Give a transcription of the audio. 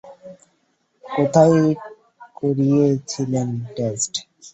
কোথায় করিয়েছিলেন টেস্ট?